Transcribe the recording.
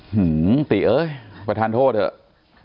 หือติเอ้ยประธานโทษเถอะ